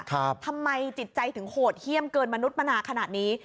ทำไมจิตใจถึงโหดเยี่ยมเกินมนุษย์มนาขนาดนี้